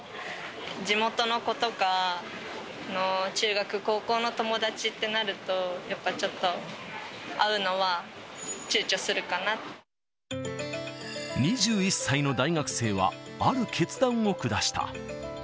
地元の子とか、中学、高校の友達ってなると、やっぱちょっと、２１歳の大学生は、ある決断を下した。